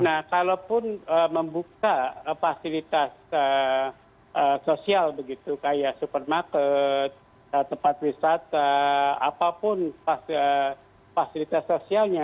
nah kalaupun membuka fasilitas sosial seperti supermarket tempat wisat apapun fasilitas sosialnya